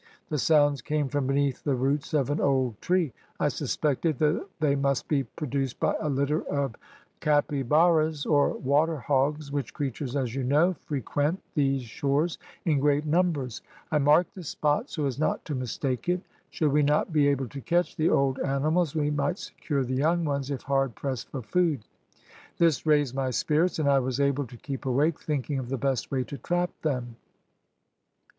The sounds came from beneath the roots of an old tree. I suspected that they must be produced by a litter of capybaras, or water hogs, which creatures, as you know, frequent these shores in great numbers. I marked the spot so as not to mistake it. Should we not be able to catch the old animals we might secure the young ones if hard pressed for food. This raised my spirits, and I was able to keep awake, thinking of the best way to trap them.